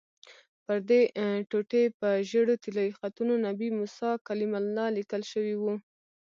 پردې ټوټې په ژېړو طلایي خطونو 'نبي موسی کلیم الله' لیکل شوي وو.